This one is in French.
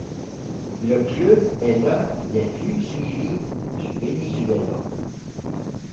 Le club est l’un des plus suivis du Venezuela.